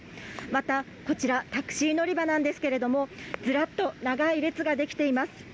また、こちら、タクシー乗り場なんですけれどもずらっと長い列ができています。